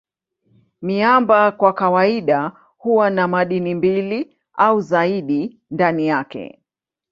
Miamba kwa kawaida huwa na madini mbili au zaidi ndani yake.